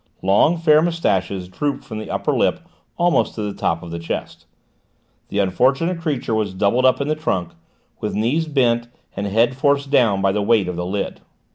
Long, fair moustaches drooped from the upper lip almost to the top of the chest. The unfortunate creature was doubled up in the trunk, with knees bent and head forced down by the weight of the lid.